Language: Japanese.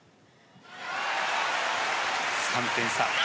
３点差。